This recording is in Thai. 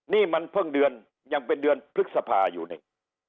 นี่มันเพิ่งเดือนยังเป็นเดือนพฤษภาอยู่นี่